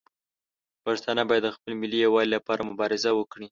پښتانه باید د خپل ملي یووالي لپاره مبارزه وکړي.